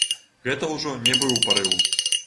Гэта ўжо не быў парыў.